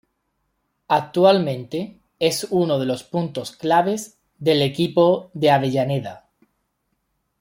Actualmente es uno de los puntos claves del equipo de Avellaneda.